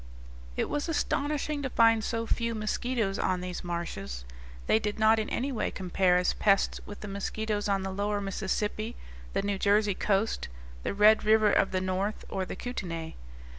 It was astonishing to find so few mosquitoes on these marshes. They did not in any way compare as pests with the mosquitoes on the lower Mississippi, the New Jersey coast, the Red River of the North, or the Kootenay.